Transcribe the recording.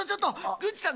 グッチさん